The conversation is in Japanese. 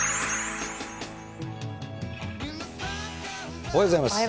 おはようございます。